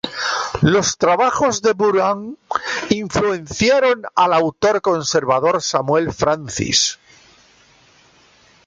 Los trabajos de Burnham influenciaron al autor conservador Samuel Francis.